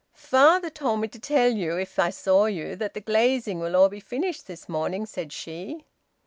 "Father told me to tell you if I saw you that the glazing will be all finished this morning," said she.